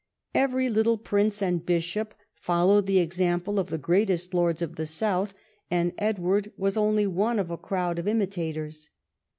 Every little prince and bishop followed the example of the greatest lords of the south, and Edward was only one of a crowd of imitators.